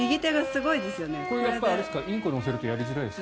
これはやっぱりインコ乗せるとやりづらいですか？